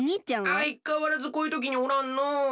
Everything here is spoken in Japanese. あいかわらずこういうときにおらんのう。